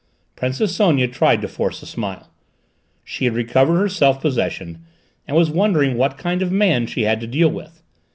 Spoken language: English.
Princess Sonia tried to force a smile. She had recovered her self possession, and was wondering what kind of man she had to deal with.